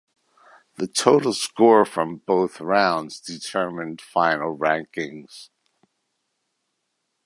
The total score from both rounds determined final rankings.